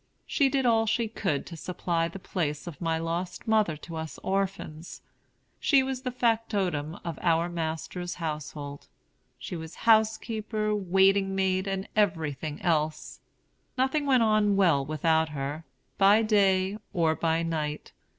She did all she could to supply the place of my lost mother to us orphans. She was the factotum in our master's household. She was house keeper, waiting maid, and everything else: nothing went on well without her, by day or by night.